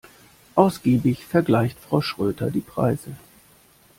Ausgiebig vergleicht Frau Schröter die Preise.